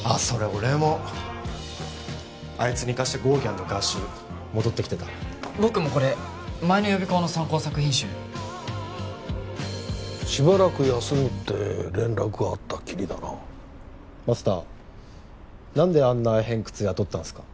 俺もあいつに貸したゴーギャンの画集戻ってきてた僕もこれ前の予備校の参考作品集しばらく休むって連絡があったっきりだなマスター何であんな偏屈雇ったんすか？